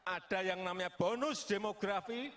ada yang namanya bonus demografi